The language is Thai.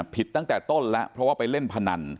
ตั้งแต่ต้นแล้วเพราะว่าไปเล่นพนัน